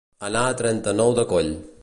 Anar a trenta-nou de coll.